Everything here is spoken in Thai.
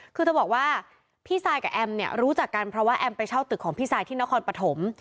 คือเธอบอกว่าพี่ซายกับแอมเนี่ยรู้จักกันเพราะว่าแอมไปเช่าตึกของพี่ซายที่นครปฐม